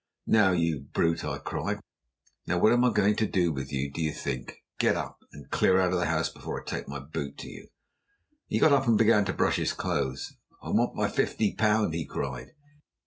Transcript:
"Now, you brute," I cried, "what am I going to do with you, do you think? Get up and clear out of the house before I take my boot to you." He got up and began to brush his clothes. "I want my fifty pound," he cried.